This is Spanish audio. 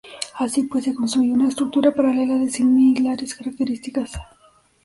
Así pues, se construyó una estructura paralela de similares características.